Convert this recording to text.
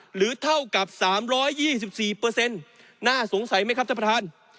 หรือเท่ากับ๓๒๔น่าสงสัยไหมครับท่านประธาน